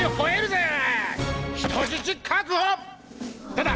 どうだ